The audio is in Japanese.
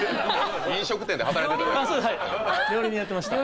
飲食店で働いてた。